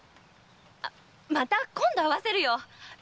また今度会わせるよ！